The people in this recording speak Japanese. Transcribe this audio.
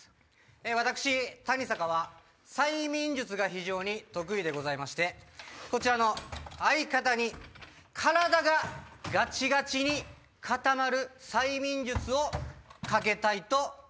私谷坂は催眠術が非常に得意でございましてこちらの相方に体がガチガチに固まる催眠術をかけたいと思います。